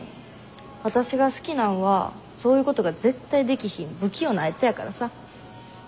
わたしが好きなんはそういうことが絶対できひん不器用なあいつやからさ。